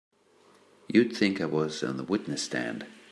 You'd think I was on the witness stand!